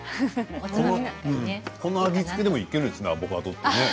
この味付けでもいけるんですね、アボカドって。